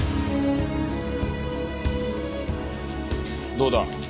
どうだ？